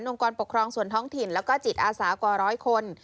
กรปกครองส่วนท้องถิ่นแล้วก็จิตอาสากว่าร้อยคน